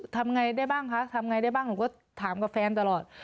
ทำไงได้บ้างคะทำไงได้บ้างหนูก็ถามกับแฟนตลอด